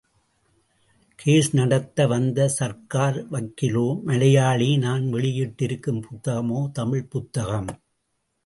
Case நடத்த வந்த சர்க்கார் வக்கீலோ மலையாளி நான் வெளியிட்டிருக்கும் புத்தகமோ தமிழ்ப் புத்தகம்.